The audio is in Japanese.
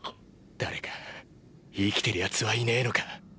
誰か生きてる奴はいねぇのか？